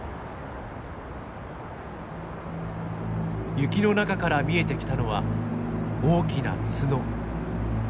雪の中から見えてきたのは大きな角。